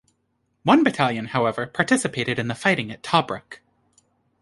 One battalion, however, participated in the fighting at Tobruk.